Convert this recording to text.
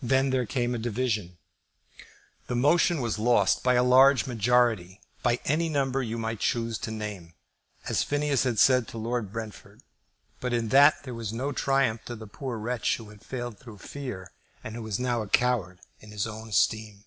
Then there came a division. The motion was lost by a large majority, by any number you might choose to name, as Phineas had said to Lord Brentford; but in that there was no triumph to the poor wretch who had failed through fear, and who was now a coward in his own esteem.